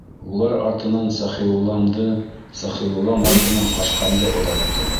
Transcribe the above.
Улар артынан Сәхиулламды, Сәхиуллам артынан Ҡашҡамды оҙаттым.